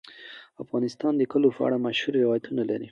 افغانستان د کلیو په اړه مشهور روایتونه لري.